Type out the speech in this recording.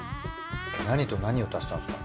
何と何を足したんですか？